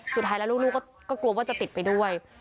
สุดท้ายแล้วลูกก็กลัวว่าจะติดไปด้วย